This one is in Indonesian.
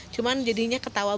cuman jadinya ketawa banget